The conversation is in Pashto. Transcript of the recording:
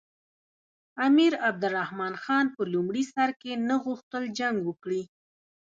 امیر عبدالرحمن خان په لومړي سر کې نه غوښتل جنګ وکړي.